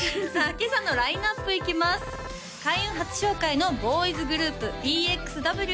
今朝のラインナップいきますさあ